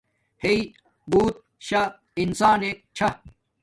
ہݵݵ بوت شاہ انسانک چھہ